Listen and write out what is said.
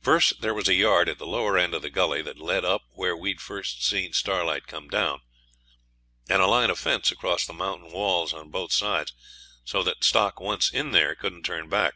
First there was a yard at the lower end of the gully that led up where we'd first seen Starlight come down, and a line of fence across the mountain walls on both sides, so that stock once in there couldn't turn back.